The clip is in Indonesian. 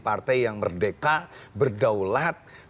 partai yang merdeka berdaulat